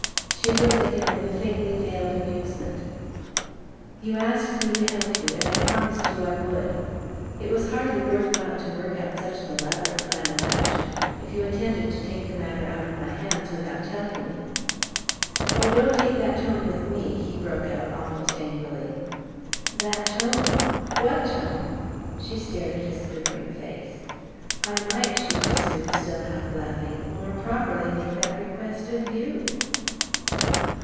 She looked at him with a faintly veiled amusement. "You asked me to help you and I promised you I would. It was hardly worth while to work out such an elaborate plan of action if you intended to take the matter out of my hands without telling me." "Oh, don't take that tone with me!" he broke out, almost angrily. "That tone? What tone?" She stared at his quivering face. "I might," she pursued, still half laughing, "more properly make that request of YOU!"